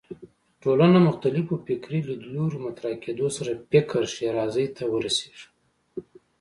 ټولنه مختلفو فکري لیدلوریو مطرح کېدو سره فکر ښېرازۍ ته ورسېږي